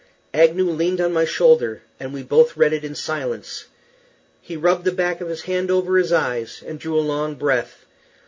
Agnew leaned on my shoulder, and we both read it in silence. He rubbed the back of his hand over his eyes and drew a long breath.